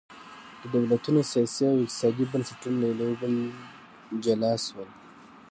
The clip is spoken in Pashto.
د دولتونو سیاسي او اقتصادي بنسټونه له یو بل جلا شول.